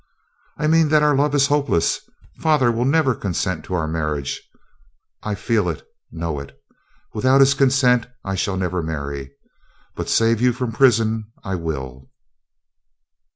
"I mean that our love is hopeless. Father will never consent to our marriage. I feel it, know it. Without his consent I shall never marry. But save you from prison I will."